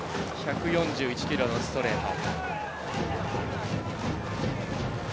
１４１キロのストレート。